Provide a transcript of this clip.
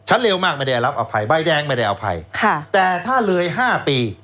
เร็วมากไม่ได้รับอภัยใบแดงไม่ได้อภัยค่ะแต่ถ้าเลยห้าปี